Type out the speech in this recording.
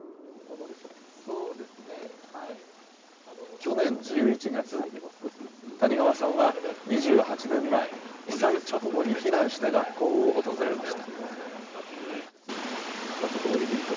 去年１１月、谷川さんは２８年前、被災直後に避難した学校を訪れました。